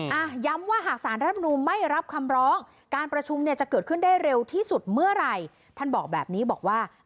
ย้ำว่าหากสารรัฐมนูลไม่รับคำร้องการประชุมเนี่ยจะเกิดขึ้นได้เร็วที่สุดเมื่อไหร่ท่านบอกแบบนี้บอกว่า